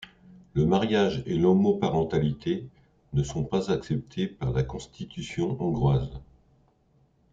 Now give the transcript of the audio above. Le mariage et l'homoparentalité ne sont pas acceptées par la constitution hongroise.